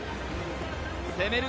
攻める